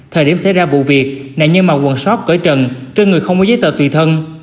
thời điểm xảy ra vụ việc nạn nhân mặc quần sóc cởi trần trên người không có giấy tờ tùy thân